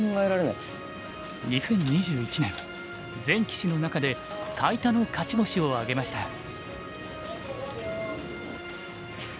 全棋士の中で最多の勝ち星を挙げました。